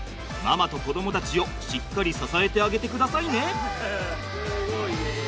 ママと子どもたちをしっかり支えてあげてくださいね。